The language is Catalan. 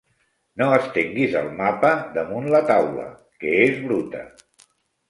No estenguis el mapa damunt la taula, que és bruta.